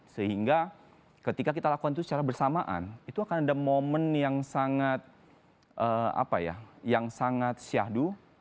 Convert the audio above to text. sehingga ketika kita lakukan itu secara bersamaan itu akan ada momen yang sangat syahdu